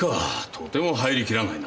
とても入り切らないな。